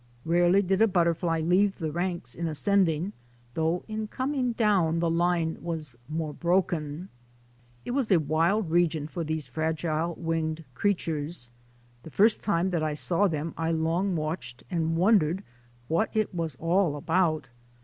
Rarely did a butterfly leave the ranks in ascending, though in coming down the line was more broken. It was a wild region for these fragile winged crea tures. The first time that I saw them I long watched and wondered what it was all about.